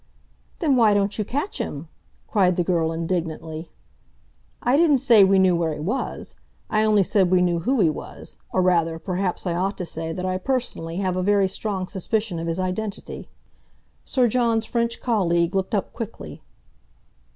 "Then why don't you catch him?" cried the girl indignantly. "I didn't say we knew where he was; I only said we knew who he was, or, rather, perhaps I ought to say that I personally have a very strong suspicion of his identity." Sir John's French colleague looked up quickly.